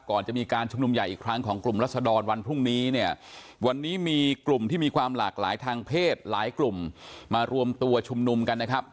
ก่อนจะมีการชุมนุมใหญ่อีกครั้งของกลุ่มรัศดรวันพรุ่งนี้เนี่ยวันนี้มีกลุ่มที่มีความหลากหลายทางเพศหลายกลุ่มมารวมตัวชุมนุมกันนะครับ